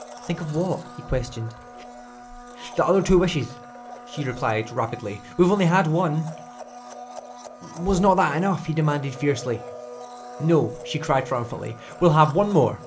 "Think of what?" he questioned. "The other two wishes," she replied, rapidly. "We've only had one." "Was not that enough?" he demanded, fiercely. "No," she cried, triumphantly; "we'll have one more.